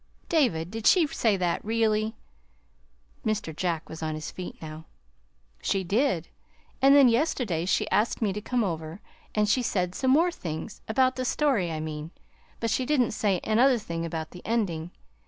"David, did she say that really?" Mr. Jack was on his feet now. "She did; and then yesterday she asked me to come over, and she said some more things, about the story, I mean, but she didn't say another thing about the ending.